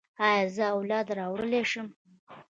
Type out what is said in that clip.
ایا زه اولاد راوړلی شم؟